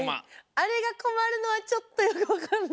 あれがこまるのはちょっとよくわかんない。